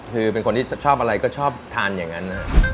คือเป็นคนที่ชอบอะไรก็ชอบทานอย่างนั้น